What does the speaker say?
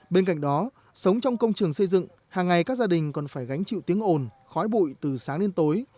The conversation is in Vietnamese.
bên cạnh đó sống trong công trường xây dựng hàng ngày các gia đình còn phải gánh chịu tiếng ồn khói bụi từ sáng đến tối